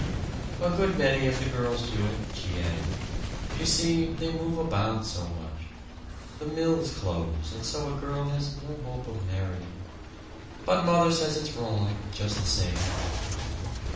"A good many of the girls do it," she added. "You see, they move about so much the mills close, and so a girl has no hope of marrying. But mothers says it's wrong, just the same."